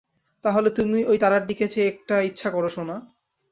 তাহলে তুমি ওই তারার দিকে চেয়ে একটা ইচ্ছা করো, সোনা।